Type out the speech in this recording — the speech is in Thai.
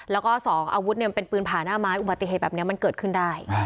แล้วก็สองอาวุธเนี่ยมันเป็นปืนผ่าหน้าไม้อุบัติเหตุแบบนี้มันเกิดขึ้นได้